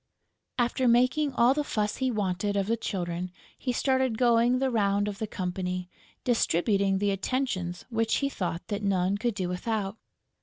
After making all the fuss he wanted of the Children, he started going the round of the company, distributing the attentions which he thought that none could do without.